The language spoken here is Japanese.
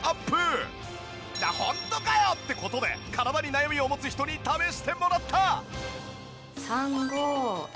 ホントかよ！？って事で体に悩みを持つ人に試してもらった！